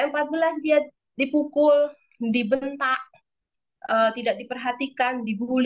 empat belas dia dipukul dibentak tidak diperhatikan dibully